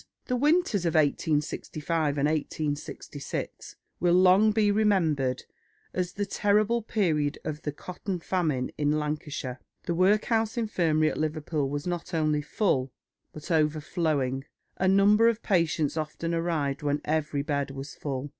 The winters of 1865 and 1866 will long be remembered as the terrible period of the cotton famine in Lancashire. The workhouse infirmary at Liverpool was not only full, but overflowing; a number of patients often arrived when every bed was full.